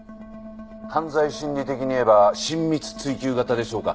犯罪心理的に言えば親密追求型でしょうか。